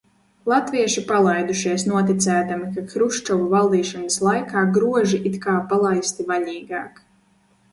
Latvieši palaidušies noticēdami, ka Hruščova valdīšanas laikā groži it kā palaisti vaļīgāk.